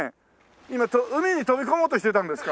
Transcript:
今海に飛び込もうとしてたんですか？